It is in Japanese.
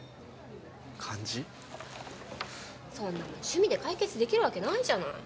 そんなもん趣味で解決出来るわけないじゃない。